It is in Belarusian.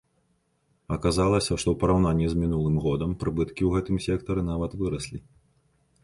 Аказалася, што ў параўнанні з мінулым годам прыбыткі ў гэтым сектары нават выраслі.